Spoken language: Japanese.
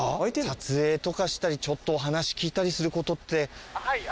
撮影とかしたりお話聞いたりすることって。